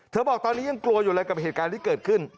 บอกตอนนี้ยังกลัวอยู่เลยกับเหตุการณ์ที่เกิดขึ้น